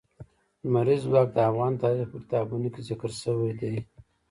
لمریز ځواک د افغان تاریخ په کتابونو کې ذکر شوی دي.